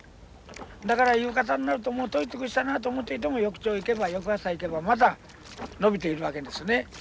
だから夕方になるともう取り尽くしたなと思っていても翌朝行けば翌朝行けばまた伸びているわけですね。